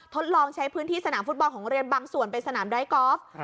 ทดลองใช้พื้นที่สนามฟุตบอลของเรียนบางส่วนไปสนามไดกอล์ฟ